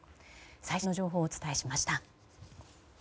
最新の情報をお伝えしました。